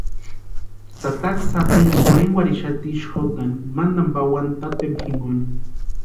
Tataka sapi jorhenkwarhixati xotʼani mantani pawani tatempa jinkoni.